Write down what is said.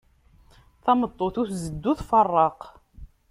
Tameṭṭut ur tzeddi, ur tfeṛṛeq.